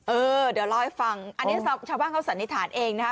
เออเดี๋ยวเล่าให้ฟังอันนี้ชาวบ้านเขาสันนิษฐานเองนะคะ